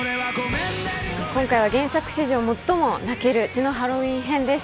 今回は原作史上最も泣ける血のハロウィン編です。